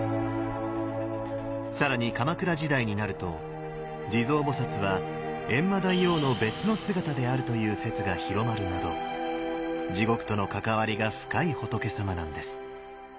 更に鎌倉時代になると地蔵菩は閻魔大王の別の姿であるという説が広まるなど地獄との関わりが深い仏さまなんです。